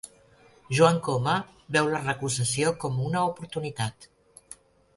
Joan Coma veu la recusació com una oportunitat